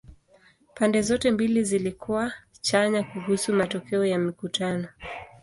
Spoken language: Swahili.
Pande zote mbili zilikuwa chanya kuhusu matokeo ya mikutano.